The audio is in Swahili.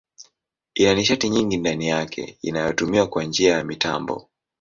Ina nishati nyingi ndani yake inayotumiwa kwa njia ya mitambo.